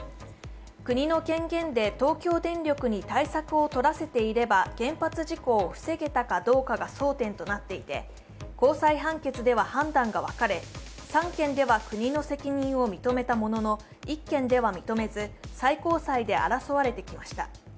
国の権限で東京電力に対策をとらせていれば原発事故を防げたかどうかが争点となっていて高裁判決では判断が分かれ、３件では国の責任を認めたものの１件では認めず最高裁で争われてきました。